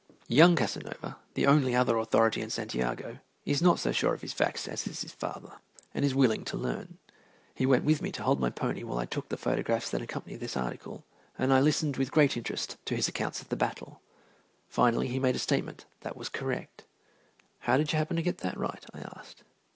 Young Casanova, the only other authority in Santiago, is not so sure of his facts as is his father, and is willing to learn. He went with me to hold my pony while I took the photographs that accompany this article, and I listened with great interest to his accounts of the battle. Finally he made a statement that was correct. "How did you happen to get that right?" I asked.